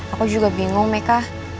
aku juga bingung meka